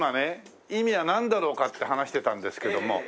意味はなんだろうかって話してたんですけども。